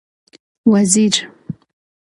وزیر